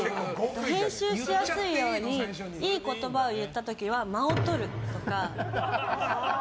編集しやすいようにいい言葉を言った時は間を取るとか。